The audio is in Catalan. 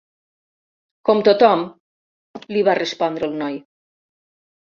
"Com tothom", li va respondre el noi.